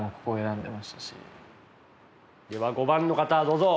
では５番の方どうぞ。